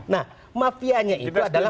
nah mafianya itu adalah